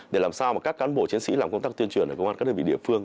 để làm sao mà các cán bộ chiến sĩ làm công tác tuyên truyền ở công an các đơn vị địa phương